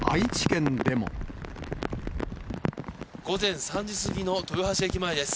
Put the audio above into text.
午前３時過ぎの豊橋駅前です。